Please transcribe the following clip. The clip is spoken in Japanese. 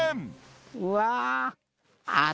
うわ！